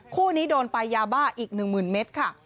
คู่นี้โดนไปยาบ้าอีก๑๐๐๐เมตรค่ะ